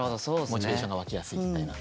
モチベーションが湧きやすいみたいな。